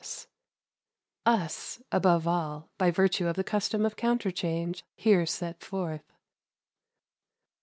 Us, above all, by virtue of the custom of counterchange here set forth.